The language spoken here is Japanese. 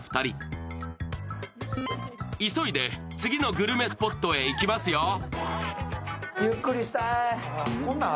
急いで次のグルメスポットへ行きますよ。